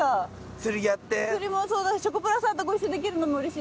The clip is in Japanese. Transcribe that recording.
釣りもそうだしチョコプラさんとご一緒できるのもうれしい。